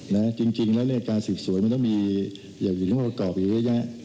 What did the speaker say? นะจริงจริงแล้วเนี่ยการศึกสวยมันต้องมีอยู่ในห้องประกอบอยู่เยอะแยะ